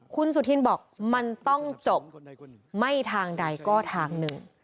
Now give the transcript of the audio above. คุณสุธินบอกมันต้องจบไม่ทางใดก็ทางหนึ่ง